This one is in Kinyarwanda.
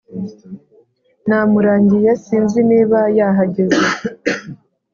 Namurangiye sinzi niba yahageze